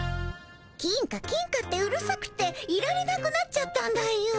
「金貨金貨」ってうるさくていられなくなっちゃったんだよ。